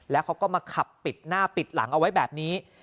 แล้วเขาก็มาขับปิดหน้าปิดหลังเอาไว้แบบนี้